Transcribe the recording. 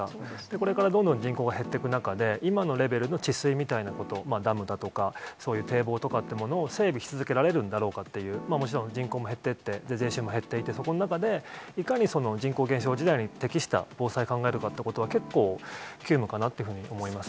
これからどんどん人口が減っていく中で、今のレベルの治水みたいなこと、ダムだとか、そういう堤防とかってものを整備し続けられるんだろうかっていう、もちろん人口も減ってって、税収も減っていって、そこの中でいかに人口減少時代に適した防災を考えるかということは、結構、急務かなというふうに思います。